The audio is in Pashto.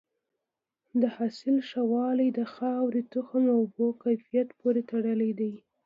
د حاصل ښه والی د خاورې، تخم او اوبو کیفیت پورې تړلی دی.